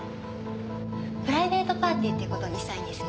プライベートパーティーっていう事にしたいんですね。